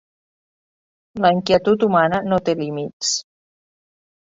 La inquietud humana no té límits.